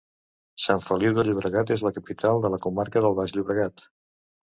Sant Feliu de Llobregat és la capital de la comarca del Baix Llobregat